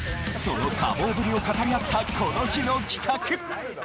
その多忙ぶりを語り合ったこの日の企画。